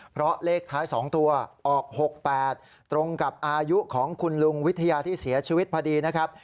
เพราะเลขท้าย๒ตัวออก๖๘ตรงกับอายุของคุณลุงวิทยาที่เสียชีวิตพอดีนะครับ